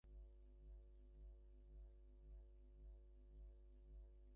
আমি জানতে চাচ্ছিলাম রান্নাঘরে কেউ আছে কিনা?